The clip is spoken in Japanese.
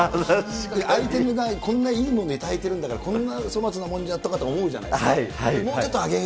こんないいもの頂いてるんだから、こんな粗末なものじゃとか思うじゃないですか。